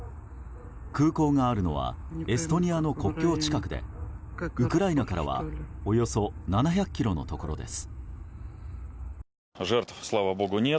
空港があるのはエストニアの国境近くでウクライナからはおよそ７００ｋｍのところです。